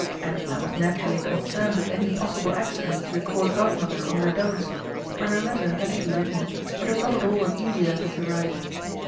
Edna was naturally concerned at any possible accident to the Court Godmother or her doves, but her letter had to be written, and it was not at all an easy letter to write.